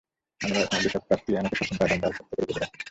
আমার বৈষয়িক প্রাপ্তি আমাকে সশ্রম কারাদণ্ডে আরো শক্ত করে বেঁধে রাখে।